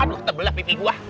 aduh tebel lah pipi gua